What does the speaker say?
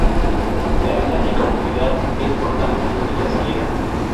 La vida en cautividad es, por tanto, su única salida.